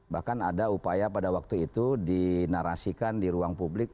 bahkan ada upaya pada waktu itu dinarasikan di ruang publik